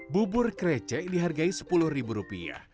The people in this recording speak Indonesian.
bubur krecek dihargai sepuluh ribu rupiah